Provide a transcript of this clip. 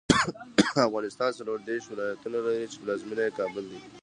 افغانستان څلوردېرش ولایتونه لري، چې پلازمېنه یې کابل دی.